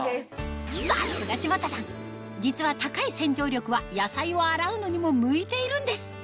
さすが柴田さん実は高い洗浄力は野菜を洗うのにも向いているんです